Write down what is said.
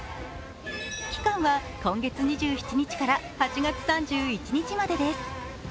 期間は今月２７日から８月３１日までです。